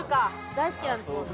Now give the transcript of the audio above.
大好きなんですもんね。